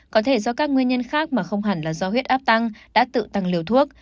có thể do các nguyên nhân khác mà không hẳn là do huyết áp tăng đã tự tăng liều thuốc